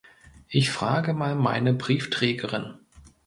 Ich frage mal meine Briefträgerin.